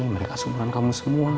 mereka sumberan kamu semua